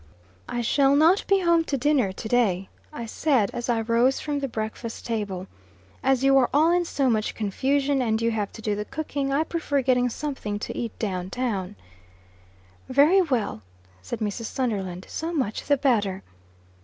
"I shall not be home to dinner to day," I said, as I rose from the breakfast table. "As you are all in so much confusion, and you have to do the cooking, I prefer getting something to eat down town." "Very well," said Mrs. Sunderland "so much the better."